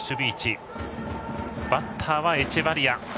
バッターはエチェバリア。